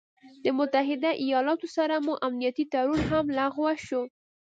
د متحده ايالاتو سره مو امنيتي تړون هم لغوه شو